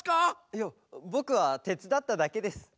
いやぼくはてつだっただけです。